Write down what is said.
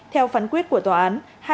theo phán quyết của tòa án